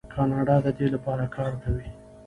کاناډا د دې لپاره کار کوي.